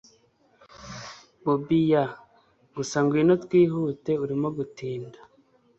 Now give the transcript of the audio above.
bobi yeah! gusa ngwino twihute urimo gutinda